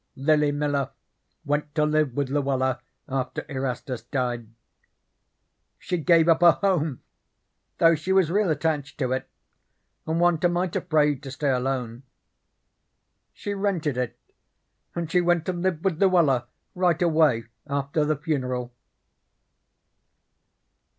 Lily Miller went to live with Luella after Erastus died. She gave up her home, though she was real attached to it and wa'n't a mite afraid to stay alone. She rented it and she went to live with Luella right away after the funeral."